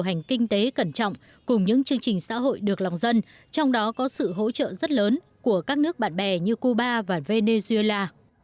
hành kinh tế cẩn trọng cùng những chương trình xã hội được lòng dân trong đó có sự hỗ trợ rất lớn của các nước bạn bè như cuba và venezuela